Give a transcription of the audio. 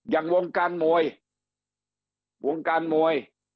อย่างวงการมวย